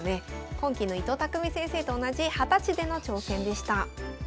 今期の伊藤匠先生と同じ二十歳での挑戦でした。